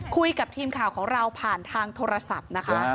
คุยกับทีมข่าวของเราผ่านทางโทรศัพท์นะคะ